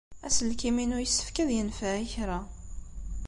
Aselkim-inu yessefk ad yenfeɛ i kra.